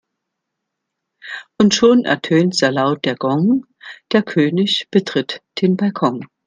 Und schon ertönt sehr laut der Gong, der König betritt den Balkon.